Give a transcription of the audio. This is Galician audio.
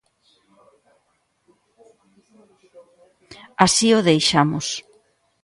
Así o deixamos.